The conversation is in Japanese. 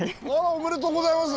ありがとうございます。